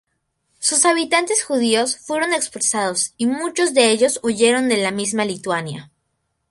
Sus habitantes judíos fueron expulsados y muchos de ellos huyeron de la misma Lituania.